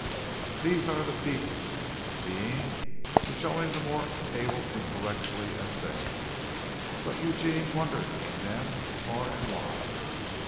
These are the deeps of being which only the more able intellectually essay, but Eugene wandered in them far and wide.